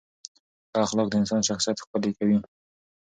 ښه اخلاق د انسان شخصیت ښکلي کوي.